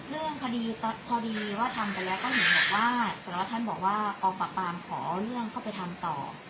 เรื่องคดีพอดีว่าทำไปแล้วก็เห็นบอกว่าสารวัสท่านบอกว่ากองปราบปรามขอเรื่องเข้าไปทำต่อ